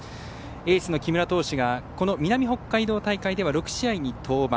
エースの木村投手が南北海道大会では６試合に登板。